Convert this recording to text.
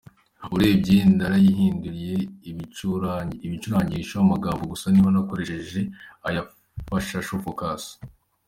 Urebye nayihinduriye ibicurangisho, amagambo gusa niho nakoresheje aya Fashaho Phocas.